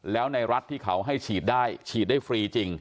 แล้วในรัฐที่เขาให้ฉีดได้ฉีดได้ฟรีจริง